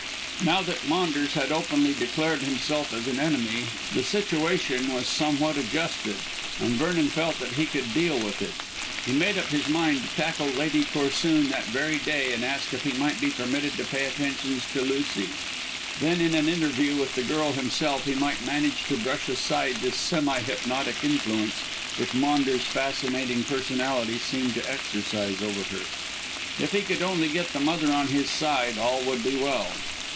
Now that Maunders had openly declared himself as an enemy the situation was somewhat adjusted, and Vernon felt that he could deal with it. He made up his mind to tackle Lady Corsoon that very day and ask if he might be permitted to pay attentions to Lucy. Then in an interview with the girl herself he might manage to brush aside this semi hypnotic influence which Maunders' fascinating personality seemed to exercise over her. If he could only get the mother on his side all would be well.